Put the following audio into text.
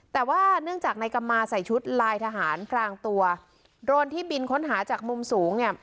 แต่ว่าเนื่องจากนายกำมาใส่ชุดลายทหารพรางตัวโดรนที่บินค้นหาจากมุมสูงเนี่ย